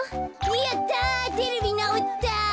やったテレビなおった。